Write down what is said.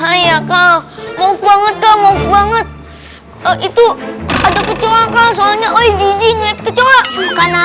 hai ya kau maaf banget kamu banget itu ada kecoh soalnya oi dikit kecoh karena